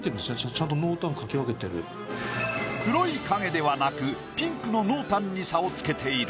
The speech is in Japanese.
ちゃんと黒い影ではなくピンクの濃淡に差をつけている。